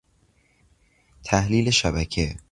تحلیل شبکه